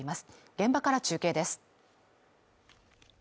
現場から中継です。